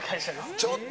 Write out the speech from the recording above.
ちょっと！